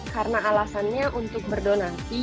karena alasannya untuk berdonasi